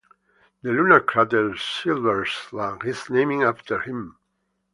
The lunar crater Silberschlag is named after him.